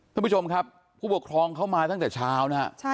ท่านผู้ชมครับผู้ปกครองเข้ามาตั้งแต่เช้านะฮะ